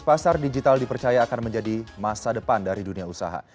pasar digital dipercaya akan menjadi masa depan dari dunia usaha